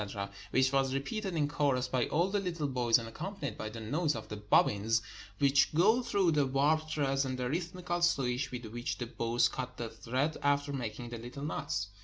— which was repeated in chorus by all the little boys, and accompanied by the noise of the bobbins which go through the warp threads, and the rhythmical swish with which the boys cut the thread after making the little knots.